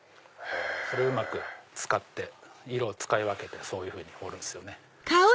それをうまく使って色を使い分けて彫るんですよね。